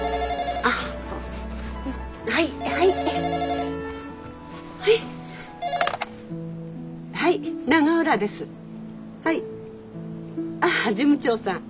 ああ事務長さん。